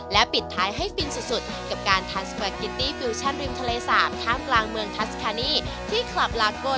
และปิดท้ายให้ฟินสุดกับการทานสปาเกตตี้ฟิวชั่นริมทะเลสาบท่ามกลางเมืองทัสคานี่ที่คลับลาโก